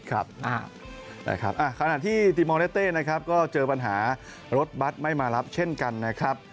ขณะที่ติมอลเลเต้นะครับก็เจอปัญหารถบัตรไม่มารับเช่นกันนะครับ